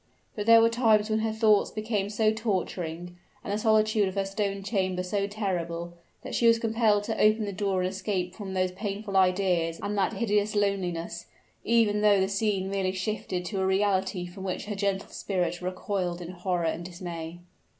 But there were times when her thoughts became so torturing, and the solitude of her stone chamber so terrible, that she was compelled to open the door and escape from those painful ideas and that hideous loneliness, even though the scene merely shifted to a reality from which her gentle spirit recoiled in horror and dismay.